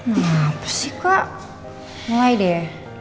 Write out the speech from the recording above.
ngapasih kak mulai deh